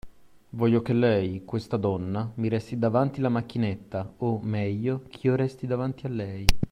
Voglio che lei, questa donna, mi resti davanti la macchinetta, o, meglio, ch'io resti davanti a lei